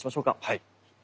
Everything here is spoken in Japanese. はい。